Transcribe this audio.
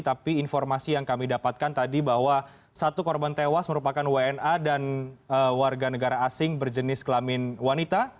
tapi informasi yang kami dapatkan tadi bahwa satu korban tewas merupakan wna dan warga negara asing berjenis kelamin wanita